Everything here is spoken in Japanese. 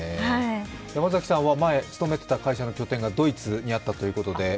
山崎さんは前勤めていた会社がドイツにあったということで？